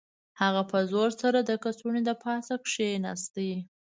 هغه په زور سره د کڅوړې د پاسه کښیناست